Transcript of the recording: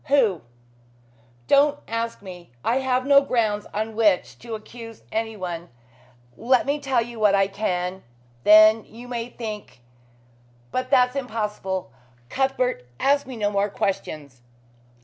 "Who?" "Don't ask me. I have no grounds on which to accuse anyone. Let me tell you what I can. Then you may think but that's impossible. Cuthbert, ask me no more questions."